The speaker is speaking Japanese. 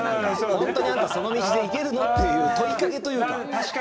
「本当にあんたその道でいけるの？」っていう問いかけというか。